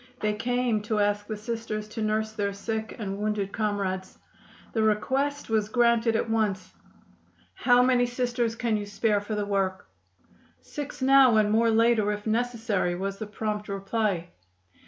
They came to ask the Sisters to nurse their sick and wounded comrades. The request was granted at once. "How many Sisters can you spare for the work?" "Six now and more later, if necessary," was the prompt reply.